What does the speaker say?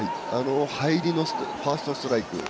入りのファーストストライク。